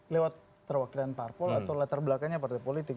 lewat perwakilan parpol atau latar belakangnya partai politik